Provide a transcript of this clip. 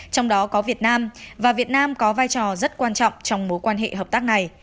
trong đó có việt nam và việt nam có vai trò rất quan trọng trong mối quan hệ hợp tác này